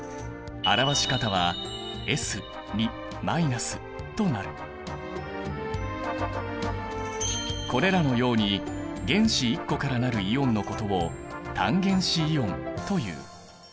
表し方はこれらのように原子１個から成るイオンのことを単原子イオンという。